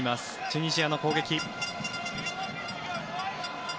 チュニジアの攻撃。